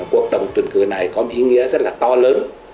cuộc tổng tuyển cử này có một ý nghĩa rất là to lớn